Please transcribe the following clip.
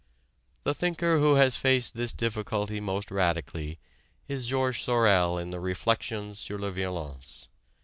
The thinker who has faced this difficulty most radically is Georges Sorel in the "Reflexions sur la Violence."